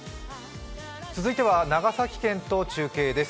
続いては長崎県と中継です。